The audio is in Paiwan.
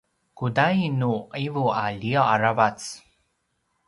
kudain nu ’ivu a liaw aravac?